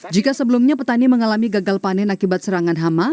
jika sebelumnya petani mengalami gagal panen akibat serangan hama